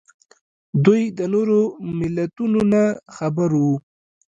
دوی د نورو ملتونو نه خبر وو